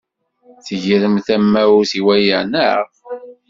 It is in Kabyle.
Tegrem tamawt i waya, naɣ?